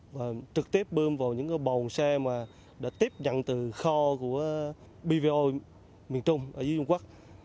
và trực tiếp bơm vào những cái bồn xe mà đã tiếp nhận từ kho của pvoi miền trung ở dưới dung quất